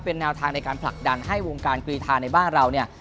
เป็นแนวทางในการผลักดันให้วงการกรีธาในบ้านเราเนี่ย